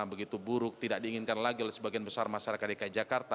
begitu buruk tidak diinginkan lagi oleh sebagian besar masyarakat dki jakarta